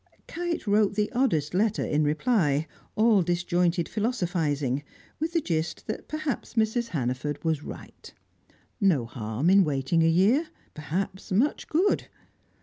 Kite wrote the oddest letter in reply, all disjointed philosophising, with the gist that perhaps Mrs. Hannaford was right. No harm in waiting a year; perhaps much good.